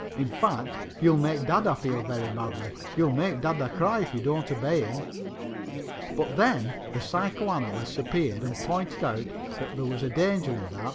In fact, you'll make dada feel very badly. You'll make dada cry if you don't obey him." But then the psychoanalysts appeared and pointed out that there was danger in that.